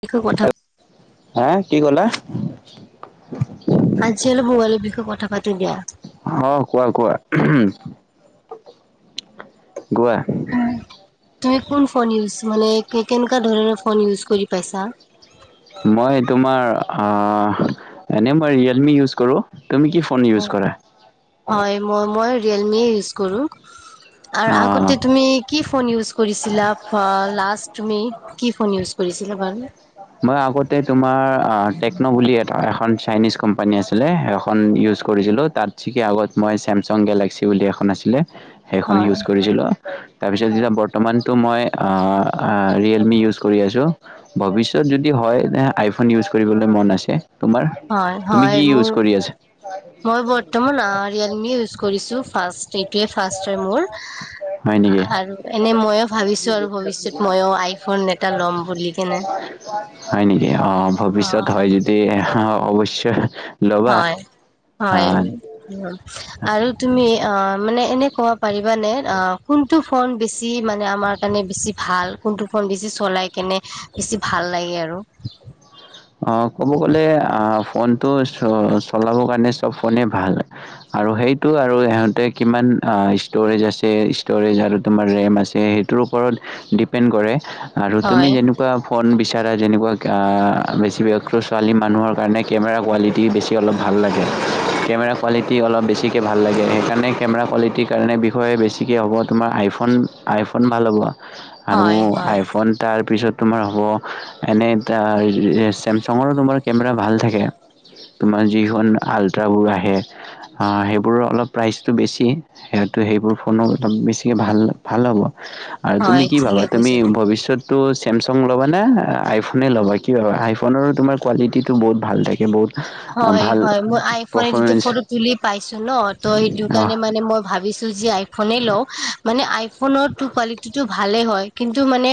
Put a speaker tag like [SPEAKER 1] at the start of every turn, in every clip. [SPEAKER 1] B খ কঠা
[SPEAKER 2] হা কি ক'লা
[SPEAKER 1] আজি হলি ভোগালীৰ বিষয়ে কথা পাতি দিয়া
[SPEAKER 2] অ কোৱা কোৱা গোৱা
[SPEAKER 1] তুমি [unintelligible] ইউজ মানে কেনেকুৱা ধৰণৰ ফোন ইউজ কৰি পাইছা?
[SPEAKER 2] মই তোমাৰ এনেই মই ৰিয়েলমি ইউজ কৰোঁ তুমি কি ফোন ইউজ কৰা
[SPEAKER 1] হয় মই মই ৰিয়েলমিয়ে ইউজ কৰোঁ আৰু
[SPEAKER 2] অ
[SPEAKER 1] আগতে তুমি কি ফোন ইউজ কৰিছিলা ফ লাষ্ট তুমি কি ফোন ইউজ কৰিছিলা বাৰু?
[SPEAKER 2] মই আগতে তোমাৰ টেক্ন বুলি এখন চাইনিজ কোম্পানী আছিলে সেইখন ইউজ কৰিছিলো তাত ছিকে আগত মই চেমচং গেলক্সি বুলি এখন আছিলে সেইখন
[SPEAKER 1] হয়
[SPEAKER 2] ইউজ কৰিছিলোঁ তাৰপিছত যেতিয়া বৰ্তমানটো মই ৰিয়েলমি ইউজ কৰি আছোঁ ভৱিষ্যত পিত যদি হয় আইফোন ইউজ কৰিবলৈ মন আছে তোমাৰ
[SPEAKER 1] হয়
[SPEAKER 2] তুমি
[SPEAKER 1] হয়
[SPEAKER 2] কি ইউজ
[SPEAKER 1] মোৰ
[SPEAKER 2] কৰি আছা
[SPEAKER 1] মই বৰ্তমান ৰিয়েলমি ইউজ কৰিছো। ফাৰ্ষ্ট এইটোৱে ফাৰ্ষ্ট হয় মোৰ।
[SPEAKER 2] হয় নেকি
[SPEAKER 1] আৰু এনে মইয়ো ভাবিছো আৰু ভৱিষ্যত মইয়ো আইফোন এটা ল'ম বুলি কেনে।
[SPEAKER 2] হয় নেকি আহ
[SPEAKER 1] অ
[SPEAKER 2] ভৱিষ্যত হয় যদি অ অৱশ্যয় ল'বা।
[SPEAKER 1] হয় হয়
[SPEAKER 2] আহ
[SPEAKER 1] আৰু তুমি অ' মানে ইনে ক'ব পাৰিবানে অ' কোনটো ফোন বেছি মানে আমাৰ কাৰণে বেছি ভাল কোনটো ফোন বেছি চলাই কেনে বেছি ভাল লাগে আৰু
[SPEAKER 2] অ ক'ব গ'লে আহ ফোনটো চ চলাব কাৰণে চব ফোনে ভাল আৰু সেইটো আৰু ইহঁতে কিমান আ ষ্টৰেজ আছে ষ্টৰেজ আৰু তোমাৰ ৰেম আছে সেইটোৰ ওপৰত ডিপেণ্ড কৰে আৰু তুমি
[SPEAKER 1] হয়
[SPEAKER 2] যেনেকুৱা ফোন বিচাৰা পাৰা যেনেকুৱা গা বেছি [unintelligible] ছোৱালী মানুহৰ কাৰণে কেমেৰা কোৱালিটি বেছি অলপ ভাল লাগে, কেমেৰা কোৱালিটি অলপ বেছিকে ভাল লাগে সেইকাৰণে কেমেৰা কোৱালিটিৰ কাৰণে বিষয়ে বেছিকে হ'ব তোমাৰ আইফোন, আইফোন ভাল হ'ব। আৰু
[SPEAKER 1] হয় হয়
[SPEAKER 2] আইফোন তাৰ পিছত তোমাৰ হ'ব এনে তাৰ চেমচঙৰো তোমাৰ কেমেৰা ভাল থাকে, তোমাৰ যিখন আল্ট্ৰাবোৰ আহে সেইবোৰৰ অলপ প্ৰাইচটো বেছি, সিহঁতে সেইবোৰ ফোনো অলপ বেছিকৈ ভাল ভাল হ'ব। আৰু
[SPEAKER 1] হয়
[SPEAKER 2] তুমি কি ভাবা
[SPEAKER 1] ঠিকে
[SPEAKER 2] তুমি
[SPEAKER 1] কৈছে
[SPEAKER 2] ভৱিষ্যতটো চি ছেমছাং ল'বা নে আইফোনেই ল'বা? কি হয় ভাবা আইফোনৰো তোমাৰ কোৱালিটিটো বহুত ভাল থাকে বহুত
[SPEAKER 1] হয়
[SPEAKER 2] ভাল
[SPEAKER 1] হয়, মই আইফোনে যিটো
[SPEAKER 2] পাৰফৰ্মেঞ্চ
[SPEAKER 1] ফটো তুলি পাইছো ন ত সেইটো কাৰণে
[SPEAKER 2] অহ
[SPEAKER 1] মানে মই ভাবিছো যে আইফোনে লওঁ মানেই আই ফোনৰ টো কোৱালিটিটো ভালে হয়। কিন্তু মানে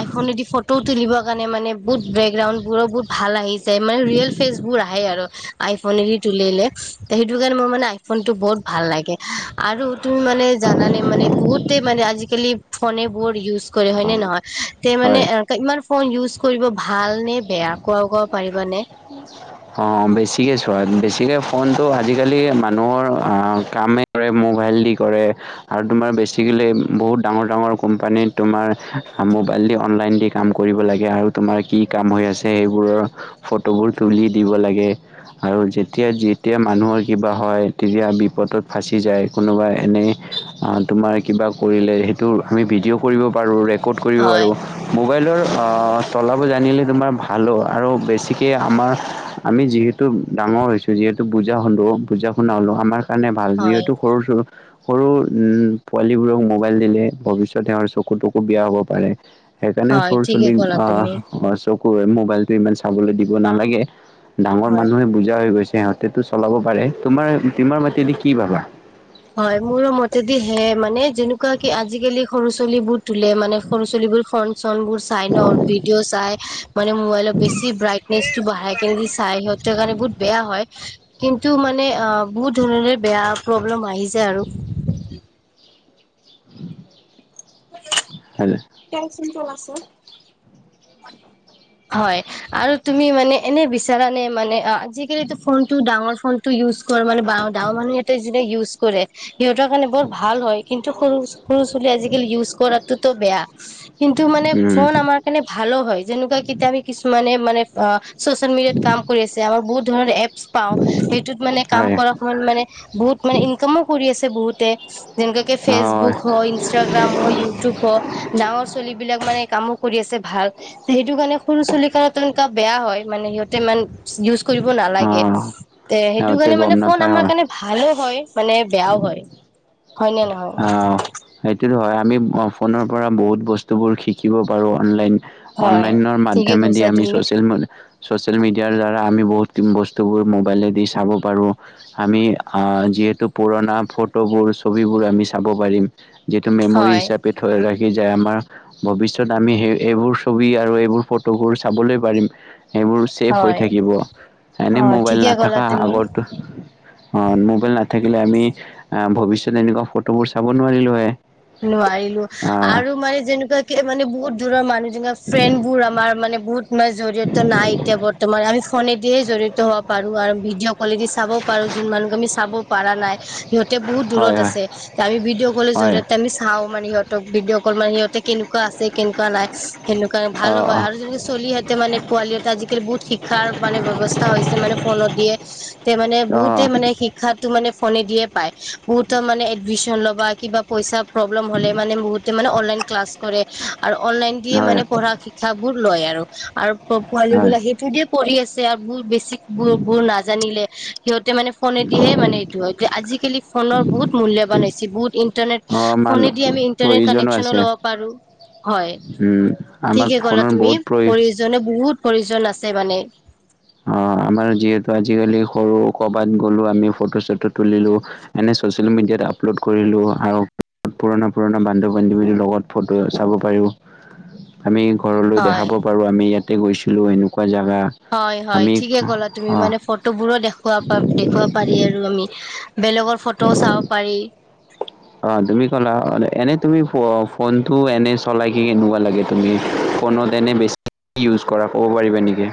[SPEAKER 1] আইফোনে দি ফটো তুলিবৰ কাৰণে মানে বহুত বেকগ্ৰাউণ্ড বোৰো বহু ভাল আহিছে মানে ৰিয়েল ফেচবোৰ আ- হে আৰু আইফোনে দি তুলিলে সেইটো কাৰণে মোৰ মানে আইফোন টো বহুত ভাল লাগে। আৰু তুমি মানে জানানে মানে বহুতে মানে আজিকালি ফোনেব'ৰ্ড ইউজ ইউজ কৰে হয় নে নহয় তে
[SPEAKER 2] হয়
[SPEAKER 1] মানে এনকা ইমান ফোন ইউজ কৰিব ভাল নে বেয়া? কোৱা কব পাৰিবানে?
[SPEAKER 2] অঁ বেছিকে চোৱা, বেছিকৈ ফোনটো আজিকালি মানুহৰ অ' কামেই কৰে মোবাইল দি কৰে আৰু তোমাৰ বেছিকেলি বহুত ডাঙৰ ডাঙৰ কোম্পানীত তোমাৰ মোবাইল দি অনলাইন দি কাম কৰিব লাগে আৰু তোমাৰ কি কাম হৈ আছে সেই বোৰৰ ফটোবোৰ তুলি দিব লাগে আৰু যেতিয়াই তেতিয়াই মানুহৰ কিবা হয় তেতিয়া বিপদত বাছি যায় কোনোবাই এনেই আ তোমাৰ কিবা কৰিলে সেইটো আমি ভিডিঅ' কৰিব পাৰোঁ ৰেকৰ্ড কৰ্ড কৰিব পাৰোঁ
[SPEAKER 1] হয়
[SPEAKER 2] বহুত- মোবাইলৰ অ' তলাবোৰ জানিলে তোমাৰ ভাল ভালোঁ আৰু বেছিকে আমাৰ আমি যিহেতু ডাঙৰ হৈছোঁ যিহেতু বুজা হ'লো বুজা শুনা হ'লো আমাৰ কাৰণে ভাল
[SPEAKER 1] হয়
[SPEAKER 2] যিহেতু সৰু [unintelligible] সৰু উ পোৱালীবোৰক মোবাইল দিলে ভৱিষ্যতে হয় তেওঁৰ চকুটকু বেয়া হ'ব পাৰে। সেইকাৰণে
[SPEAKER 1] হয়
[SPEAKER 2] সৰু
[SPEAKER 1] ঠিকে
[SPEAKER 2] ছলিক
[SPEAKER 1] ক'লা তুমি
[SPEAKER 2] আহ চকু হয় মোবাইলটো ইমান চাবলৈ দিব নালাগে। ডাঙৰ
[SPEAKER 1] হয়।
[SPEAKER 2] মানুহে বুজা হৈ গৈছে। সিহঁতেতো চলাব পাৰে, তোমাৰ তোমাৰ মাতেদি কি ভাবা?
[SPEAKER 1] হয়, মোৰ মতেদি হে মানে যেনেকুৱা কি আজিকালি সৰু ছোৱালী বোৰ তোল মানে সৰু ছালীবোৰ ফন চন বোৰ চাই ন ভিডিঅ' চাই মানে মোবাইলত বেছি ব্ৰাইটনেচটো বঢ়াই কেনেদি চাই সিহঁত কাৰণে বহুত বেয়া হয় কিন্তু মানে অ বহুত ধৰণৰে বেয়া প্ৰব্লেম আহি যায় আৰু
[SPEAKER 2] [inaudible]
[SPEAKER 1] কচোন কল আছে হয় আৰু তুমি মানে এনে বিচাৰ নে মানে আজিকালি টো ফোনটো ডাঙৰ ফনটো ইউজ ঘৰ মানে বা ডাঙৰ মনুহ সিতে যেনে ইউজ কৰে সিহঁতৰ কাৰণে বৰ ভাল হয় কিন্তু সৰু সৰু ছোৱালী আজিকালি ইউজ কৰাতোতো বেয়া কিন্তু মানে
[SPEAKER 2] উম
[SPEAKER 1] ফোন আমাৰ কাৰণে হলো হয় যেনেকুৱা কিতা আমি কিছুমান মানে মানে অ চচিয়েল মিডিয়াত কাম কৰি আছে। আমাৰ বহুত ধৰণৰ এপচ পাওঁ সেইটোত মানে কাম
[SPEAKER 2] হয়
[SPEAKER 1] কৰ সময়ত মানে বহুত মানে ইনকামো কৰি আছে বহুতে যেনেকাকে
[SPEAKER 2] হয়
[SPEAKER 1] ফেচবুক হ ইনাগ্ৰাম হ ইউটিউব হওঁক ডাঙৰ চলি বিলাক মানে কামো কৰি আছে ভাচ সেইটো কাৰণে সৰু চুলিকত [unintelligible] বেয়া হয় মানে সিহঁতে ইমান ইউজ কৰিব
[SPEAKER 2] অ
[SPEAKER 1] নালাগে, তে সেইটো
[SPEAKER 2] সিহঁতে
[SPEAKER 1] কাৰণে মানে
[SPEAKER 2] গম
[SPEAKER 1] ফোন
[SPEAKER 2] নাপায়
[SPEAKER 1] আমাৰ
[SPEAKER 2] হয়
[SPEAKER 1] কাৰণে ভালো হয়। মানে বেয়াও হয়' হয় নে নহয়
[SPEAKER 2] অ'এইটো হয, আমি ফোনৰ পৰা বহুত বস্তুবোৰ শিকিব পাৰোঁ। অনলাইন
[SPEAKER 1] হয়
[SPEAKER 2] অনলাইনৰ
[SPEAKER 1] ঠিকে
[SPEAKER 2] মাইধমাএ দি
[SPEAKER 1] কৈছা
[SPEAKER 2] আমিয়
[SPEAKER 1] তুমি
[SPEAKER 2] চচিয়েল মিডিয়াৰ দ্বাৰা আমি বহুত বস্তু টোবোৰ মোবাইলে দি চাব পাৰোঁ আমি যিহেতু পুৰণা ফটোবোৰ ছবিবোৰ আমি চাব পাৰিম। যিটো মেম'ৰ
[SPEAKER 1] হয়
[SPEAKER 2] হিচাপে ৰাখি যে আমাৰ ভৱিষ্যত আমি সেই এইবোৰ ছবি আৰু এইবোৰ ফটোবোৰ চাবলৈ পাৰিম। সেইবোৰ চেভ হৈ
[SPEAKER 1] হয়
[SPEAKER 2] থাকিব
[SPEAKER 1] অ
[SPEAKER 2] এনেই মোবাইল
[SPEAKER 1] ঠিকে ক'লা
[SPEAKER 2] নাথাকা
[SPEAKER 1] তুমি
[SPEAKER 2] আগো মোবাইল না থাকিলে আমি ভৱিষ্যত তেনেকুৱা ফটোবোৰ চাব নোৱাৰিলো হয়ে
[SPEAKER 1] নোৱাৰিলো আৰু মানে যেনেকুৱাকে মানে বহুত দূৰৰ মানুহ ফ্ৰেণ্ড বোৰ আমাৰ মানে বহুত ম জৰিয়তে নাই এতিয়া বৰ্তমান আমি ফোনেদিয়ে জড়িত হবাৰো আৰু ভিডিঅ' কোৱালিটি চাব পাৰো যোন মানুহক আমি চাব পৰা নাই। সিহঁতে বহুত
[SPEAKER 2] হয়
[SPEAKER 1] দূৰত
[SPEAKER 2] হয়
[SPEAKER 1] আছে আমি ভিডিঅ' কলৰ
[SPEAKER 2] হয়
[SPEAKER 1] জৰিয়তে আমি চাও মানে সিহঁতক ভিডিঅ' কল মানে সিহঁতে কেনেকুৱা আছে কেনেকুৱা নাই। সেনেকুৱা
[SPEAKER 2] অ
[SPEAKER 1] ভালো হয়
[SPEAKER 2] অ
[SPEAKER 1] আৰু যেনেকে চলিহঁতে মানে পোৱালিতে আজিকালি বহুত শিক্ষাৰ মানে ব্যৱস্থা হৈছে মানে ফোনত দিয়ে তে মানে
[SPEAKER 2] অ
[SPEAKER 1] বহুতে মানে শিক্ষাটো মানে ফোনেদিয়ে পায়। বহুতৰ মানে এড ল'বা কিবা পইচা প্ৰব্লেম হলে মানে বহুতে মানে অনলাইন ক্লাছ কৰে। আৰু অনলাইন দিয়ে
[SPEAKER 2] হয়
[SPEAKER 1] মানে পঢ়া শিক্ষাবোৰ লয় আৰু, আৰু অ' পোৱালি
[SPEAKER 2] হয়
[SPEAKER 1] বিলাক সেইটো দিয়ে পঢ়ি আছে। বহুত বছি বোৰ, বোৰ নাজানিলে সিহঁত মানে ফোনেদিহে মানে এইটো হয়। আজিকালি ফোনৰ বহুত মূল্যবান হৈছে। বহুত ইণ্টাৰনেট
[SPEAKER 2] অ মানুহ
[SPEAKER 1] ফোনেদি আমি ইন্টাৰনেট
[SPEAKER 2] প্ৰয়োজনো
[SPEAKER 1] কানেকচনো
[SPEAKER 2] আছে
[SPEAKER 1] ল'ব পাৰো। হয়
[SPEAKER 2] উম আমাক
[SPEAKER 1] ঠিকে কলা
[SPEAKER 2] ফোনৰ
[SPEAKER 1] তুমি
[SPEAKER 2] বহুত প্ৰয়
[SPEAKER 1] প্ৰয়োজনে বহুত প্ৰয়োজন আছে মানে
[SPEAKER 2] অ আমাৰ যিহেতু আজিকালি সৰু ক'ৰবাত গ'লো আমি ফটো চটো তুলিলোঁ এনেই ছ'চিয়েল মিডিয়াত আপলোড কৰিলোঁ আৰু পুৰণা পুৰণা বন্ধু বান্ধৱীৰ লগত ফটো চাব পাৰোঁ। আমি ঘৰলৈ
[SPEAKER 1] হয়
[SPEAKER 2] দেখাব পাৰো আমি ইয়াতে গৈছো লো এনেকুৱা যা- গা
[SPEAKER 1] হয় হয় ঠিকে কলা তুমি মানে ফটোবোৰো দেখুৱা দেখুৱাব পাৰি আৰু আমি বেলেগ ফটো চাব পাৰি
[SPEAKER 2] অ তুমি ক'লা এনে তুমি ফ ফোনটো এনে চলাই কি কেনেকুৱা লাগে তুমি ফোনত এনে বেছি ইউজ কৰা ক'ব পাৰিবা নেকি?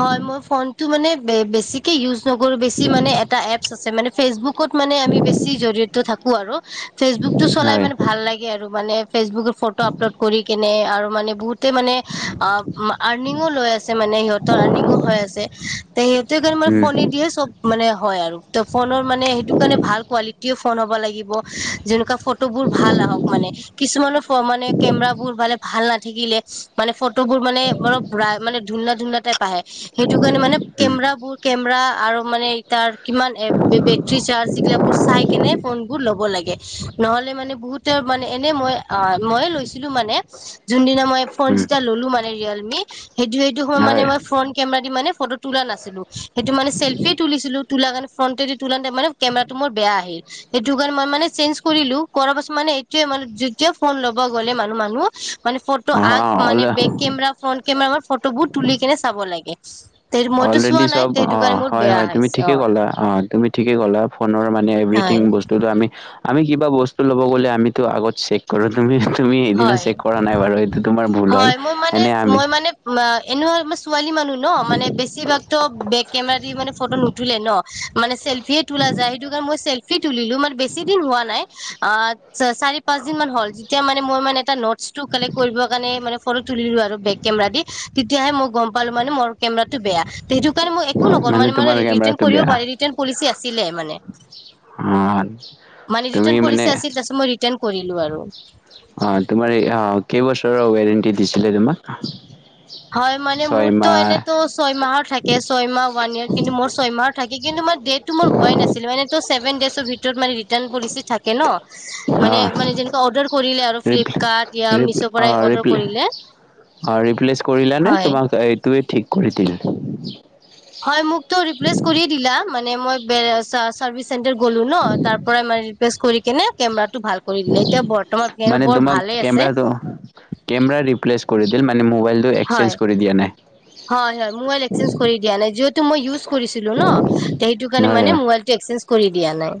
[SPEAKER 1] হয় মই ফোনটো মানে বে বেছিকে ইউজ নকৰো বেছি মানে এটা এপছ আছে মানে ফেচবুক ক'ত মান আমি বেছি জড়িত থাকো আৰু ফেচবুকটো চলাই
[SPEAKER 2] হয়
[SPEAKER 1] মানে ভাল লাগে আৰু মানে ফেচবুক ফটো আপলোড কৰি কেনে আৰু মানে বহুতে মানে আ আৰনিংও লৈ আছে মানে সিহ- তৰ আৰণিংও হৈ আছে তে সিহঁতে তাৰ মানে
[SPEAKER 2] উম
[SPEAKER 1] ফোনে দিয়ে চব মানে হয় আৰু ত ফোনৰ মানে সেইতো কাৰণে ভাল কোৱালিটিও ফোন হ'ব লাগিব। যেনেকুৱা ফটোবোৰ ভাল আহক মানে। কিছুমানৰ ফ মানে কেমেৰাবোৰ মানে ভাল নাথাকিলে মানে ফটো ফটোবোৰ মানে অলপ ধুনা ধুনা টাইপ পাই সেইটো কাৰণে মানে
[SPEAKER 2] উম
[SPEAKER 1] কেমেৰাবোৰ কেমেৰা আৰু মানে তাৰ কিমান এ বেটৰী চাৰ্জ, এইগিলবুৰ চাই কেনে ফোন বোৰ ল'ব লাগে। নহ'লে মানে বহুত- ত মানে এনে মই অ, মই লৈছিলোঁ মানে। যোনদিনা- মই ফোন
[SPEAKER 2] উম
[SPEAKER 1] যেতিয়া ল'লোঁ মানে ৰিয়েলমি- সেইটো সেইটো সম মানে
[SPEAKER 2] হয়
[SPEAKER 1] মই- কেমেৰা দি মানে ফটো তোলা নাছিলোঁ। সেইটো মানে চেল্ফিয়ে তুলিছিলোঁ তুলা কাৰোনে ফনটে- তুলাতে মানে কেমেৰাটো মোৰ বেয়া আহিল। সেইটো কাৰণে মই মানে- চেইঞ্জ কৰিলোঁ। কৰা পাছত- মানে এইোৱে মানে [unintelligible] ফোন ল'ব গ'লে মানুহ মানুহ। মানে ফটো
[SPEAKER 2] অ
[SPEAKER 1] আগ মানে
[SPEAKER 2] all
[SPEAKER 1] back camera, front camera ফটোবোৰ তুলি কেনে- লাগে। তে মইতো
[SPEAKER 2] অলৰেডি
[SPEAKER 1] চোৱা নাই
[SPEAKER 2] চব,
[SPEAKER 1] সেইটো
[SPEAKER 2] অহ,
[SPEAKER 1] কাৰণে মোৰ
[SPEAKER 2] হয়
[SPEAKER 1] বেয়া
[SPEAKER 2] হয়। তুমি
[SPEAKER 1] হৈছে অ
[SPEAKER 2] ঠিকে কলা। অহ তুমি ঠিকে কলা। ফোনৰ মানে
[SPEAKER 1] হয়
[SPEAKER 2] এভৰিথিং বস্তুটো আমি আমি কিবা বস্তু ল'ব গ'লে আমিতো আগত চেক কৰোঁ। তুমি তুমি সেইদিনা
[SPEAKER 1] হয়
[SPEAKER 2] চেক কৰা নাই বাৰু এইটো তোমাৰ ভুল
[SPEAKER 1] হয়
[SPEAKER 2] হ'ল।
[SPEAKER 1] মই মানে
[SPEAKER 2] এনে আমি
[SPEAKER 1] মই মানে [unintelligible] ছোৱালী মানুহ ন', মানে বেছিভাগতো বেক কেমেৰা দি মানে ফটো নুতুলে ন'। মানে চেল্ফিয়ে তুলা যায়, সেইটো কাৰণ মই চেল- তুলিলোঁ। মানে বেছি দিন হোৱা নাই আ চ - চাৰি পাঁচ দিন মান হ'ল। যেতিয়া মান মোৰ মানে এটা নোট্‌ছটো কালেক্ট কৰিব কাৰণে মানে ফটো তুলিলোঁ আৰু বেক কেমৰাদি, তেতিয়াহে মোক গম পালোঁ মানে মোৰ কেমৰাটো বেয়া। তে সেইটো কাৰণে মই একো নকল, মানে - মানে
[SPEAKER 2] তোমাৰ
[SPEAKER 1] ৰিটাৰ্ন
[SPEAKER 2] কেমেৰাটো
[SPEAKER 1] কৰিব
[SPEAKER 2] বেয়া
[SPEAKER 1] পাৰি। ৰিটাৰ্ন পলিচী আছিলে মানে।
[SPEAKER 2] অ
[SPEAKER 1] মানে
[SPEAKER 2] তুমি
[SPEAKER 1] ৰিটাৰ্ন
[SPEAKER 2] মানে
[SPEAKER 1] পলিচী আছিল। তাৰপিছত মই ৰিটাৰ্ন কৰিলোঁ আৰু।
[SPEAKER 2] অহ তোমাৰ এই অ, কেইবছৰৰ ৱৰেণ্টি দিছিলে তোমাক?
[SPEAKER 1] হয় মানে মুৰতো
[SPEAKER 2] ছয়মাহ
[SPEAKER 1] এনেতো ছয়মাহৰ থাকে, ছয়মাহ ৱান ইয়াৰ, কিন্তু মোৰ ছয়মাহৰ থাকে কিন্তু মোৰ ডেটটো মোৰ হোৱাই নাছিল। এনেটো চেভেন ডেছৰ ভিতৰত মানে ৰি- টাৰ্ণ পলিচী থাকে ন।
[SPEAKER 2] অ
[SPEAKER 1] মানে - মানে যেনেকুৱা অডাৰ কৰিলে আৰু
[SPEAKER 2] ৰিপ্লে
[SPEAKER 1] ফ্লিপকাৰ্ট য়া
[SPEAKER 2] ৰিপ
[SPEAKER 1] মিছ'
[SPEAKER 2] অ
[SPEAKER 1] পৰাই অডাৰ কৰিলে।
[SPEAKER 2] ৰিলা নে,
[SPEAKER 1] হয়
[SPEAKER 2] তোমাক এই তুৱে ঠিক কৰি দিলে।
[SPEAKER 1] হয়। মুক টহ ৰিপ্লেছ কৰিয়ে দিলা, মানে মই [unintelligible] চাৰ্ভিছ চেণ্টাৰ গ'লো ন, তাৰ পৰাই মানে ৰিপ্লেচ কৰিনে কেনে কেমৰা
[SPEAKER 2] মানে তোমাক
[SPEAKER 1] ভালে আছে
[SPEAKER 2] কেমৰাটো, কেমৰা ৰিপ্লেচ কৰি দিল মানে মোবাইলটো এক্সচেঞ্জ
[SPEAKER 1] হয়।
[SPEAKER 2] কৰি দিয়া নাই
[SPEAKER 1] হয় হয়। মবাইল এক্সেঞ্জ কৰি দিয়া নাই, যিহতু মই ইউছ কৰিছিলোঁ ন', সেইটো কাৰনে
[SPEAKER 2] হয়
[SPEAKER 1] মানে
[SPEAKER 2] হয়
[SPEAKER 1] মবাইলটো এক্সেঞ্জ কৰি দিয়া নাই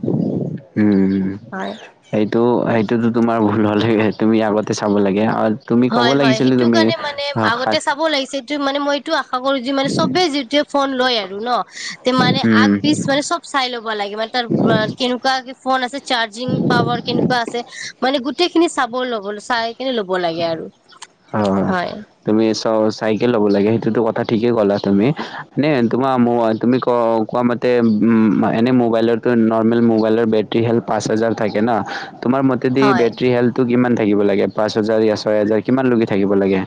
[SPEAKER 2] উম।
[SPEAKER 1] হয়
[SPEAKER 2] সেইটো - সেইটোতো তোমাৰ ভুল হ'ল হে - হে - তুমি আগতে চাব লাগে [unintelligible]
[SPEAKER 1] হয় হয়।
[SPEAKER 2] লাগিছিলে
[SPEAKER 1] সেইটো
[SPEAKER 2] তুমি
[SPEAKER 1] কাৰণে মানে
[SPEAKER 2] অ সাত
[SPEAKER 1] আগতে চাব লাগিছে সিটো মানে মইটো আ আশা কৰো যে মানে চবেই যেতিয়া ফোন লয় আৰু ন', তে' মানে আগ
[SPEAKER 2] উম
[SPEAKER 1] পিচ মানে চব চাই ল'ব লাগে মানে তাৰ [unintelligible] কেনেকুৱা কি ফোন আছে চাৰ্জিং পাৱাৰ কেনেকুৱা আছে মানে গোট টেইখিনি চাব লবলৈ চাই কেনে ল'ব লাগে আৰু।
[SPEAKER 2] অ
[SPEAKER 1] হয়
[SPEAKER 2] তুমি ইচ- ত চাইকেল ল'ব লাগে সেইটোতো কথা ঠিকেই ক'লা তুমি এনে তোমাৰ তুমি ক কোৱা মতে এনেই মোবাইলো নৰ্মেল মোবাইলৰ বেটেৰী হেল পাঁচ হাজাৰ থাকে ন তোমাৰ মতে
[SPEAKER 1] হয়
[SPEAKER 2] বেটেৰী হেল্থটো কিমান থা থাকিব লাগে পাঁচ পচ হাজাৰ ছয় হাজাৰ কিমান লোগী থাকিব লাগে?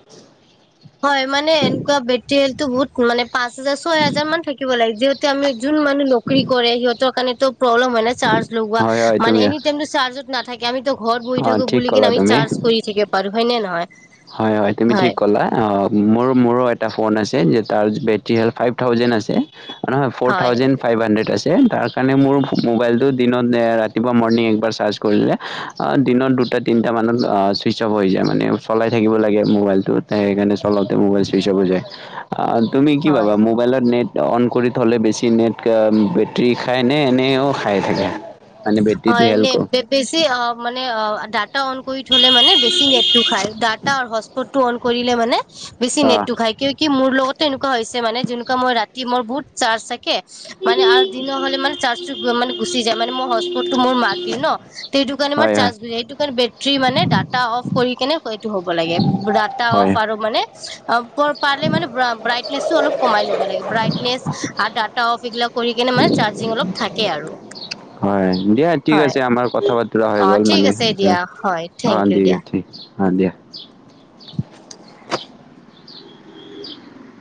[SPEAKER 1] টো বহুত মানে পাঁচ হাজাৰ ছয় হাজাৰান থাকিব লাগে যিহেতু এ আমি যোন মানুহ নকৰি কৰে সিহঁতৰ কাৰণে তো প্ৰব্লেম হয় নাই চাৰ্জ লগোৱা
[SPEAKER 2] হয় হয়
[SPEAKER 1] মানে
[SPEAKER 2] তুমি
[SPEAKER 1] এনিটাইমটো চাৰ্জত- নাথাকে আমি ত ঘৰত বহি
[SPEAKER 2] অ
[SPEAKER 1] থাকো
[SPEAKER 2] ঠিক
[SPEAKER 1] বুলি কিনে
[SPEAKER 2] ক'লা
[SPEAKER 1] আমি
[SPEAKER 2] তুমি
[SPEAKER 1] চাৰ্জ কৰি থেকে পাৰো হয় নে নহয়?
[SPEAKER 2] হয় হয় তুমি ঠিক কলা অঁ মোৰ মোৰো এটা ফোন আছে যে তাৰ বেটেৰী হ'ল ফাইভ থাউজেণ্ড আছে। অ নহয় ফ'ৰ
[SPEAKER 1] হয়
[SPEAKER 2] থাউজেড ফাইভ হাড্ৰেড আছে। তাৰ কাৰণে মোৰ মোবাইলটো দিনত ৰাতিপুৱা মৰ্ণিং একবাৰ চাৰ্জ কৰিলে দিনত দুটা তিনিটা মানত ছুইচ অফ হৈ যায় মানে চলাই থাকিব লাগে মোবাইলটোত সেইকাৰণে অলপ তে মোবাইল চুইচব হৈ যায়। আআন তুমি কি
[SPEAKER 1] হয়
[SPEAKER 2] পাবা মোবাইলত নেট অন কৰি থ হ'লে বেছি নেট অ বেটৰী খাই নে এনেও খাই থাকে? মানে বেটেৰীটো
[SPEAKER 1] হয়নে,
[SPEAKER 2] হেল্প
[SPEAKER 1] বে বেছি অ', মানে অ' ডাটা অন কই থলে মানে বেছি নেটতো খাই, ডাটাৰ হচপটতো অন কৰিলে মানে বেছি
[SPEAKER 2] অঁ
[SPEAKER 1] নেটটো খাই, কিয় কি মোৰ লগতে এনেকুৱা হৈছ মানে যোনকুৱা মই ৰাতি মোৰ বহুত চাৰ্জ থাকে মানে আৰু দিন হ'লে মানে চাৰ্জটো গু মানে গুচি যায়। মানে মই হচ পতটো মোৰ মাক দিওঁ ন, সেইটো কাৰণে মাৰ
[SPEAKER 2] হয় হয়
[SPEAKER 1] চাৰ্জ, সেইটো কাৰণে বেছি ৰাতি মানে ডাটা অ'ফ কৰি কিনে এইটো হ'ব লাগে, ডাটা
[SPEAKER 2] হয়
[SPEAKER 1] অ'ফ আৰু মানে, [unintelligible] ব্ৰাইটনেচো অলপ কমাই ল'ব লাগে। ব্ৰাইটনেচ আৰু ডাটা [unintelligible] কৰি কেনে মানে চাৰ্জং অলপ থাকে আৰু
[SPEAKER 2] হয়। দিয়া ঠিক
[SPEAKER 1] হয়
[SPEAKER 2] আছে, আমাৰ কথা পাত তুলা হৈ
[SPEAKER 1] অ
[SPEAKER 2] গ'ল
[SPEAKER 1] ঠিক
[SPEAKER 2] মানে
[SPEAKER 1] আছে
[SPEAKER 2] সিহত,
[SPEAKER 1] দিয়া হয় থেংক
[SPEAKER 2] অ'
[SPEAKER 1] ইউ
[SPEAKER 2] দি
[SPEAKER 1] দিয়া
[SPEAKER 2] ঠিক অ' দিয়া।